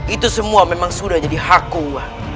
itu semua memang sudah jadi hakku wak